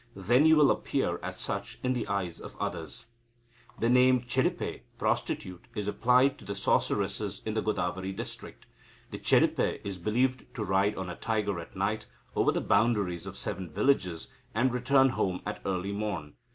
Then you will appear as such in the eyes of others. The name Chedipe (prostitute) is applied to sorceresses in the Godavari district. The Chedipe is believed to ride on a tiger at night over the boundaries of seven villages, and return home at early morn.